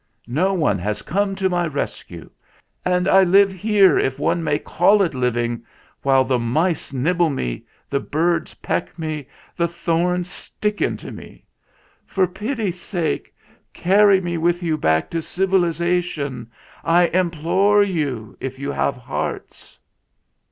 No one has come to my rescue ; and I live here if one may call it living while the mice nibble me, the birds peck me, the thorns stick into me. For pity's sake carry me with you back to civilisation. I implore you, if you have hearts